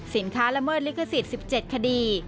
สินค้าละเมิดลิขสิทธิ์๑๗คดี